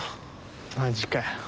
マジかよ。